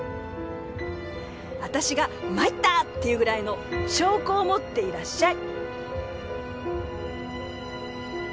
わたしが「参った！」って言うぐらいの証拠を持っていらっしゃい。